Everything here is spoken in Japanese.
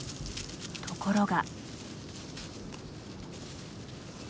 ところが。